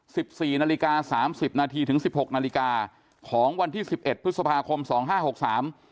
สิบสี่นาฬิกาสามสิบนาทีถึงสิบหกนาฬิกาของวันที่สิบเอ็ดพฤษภาคมสองห้าหกสาม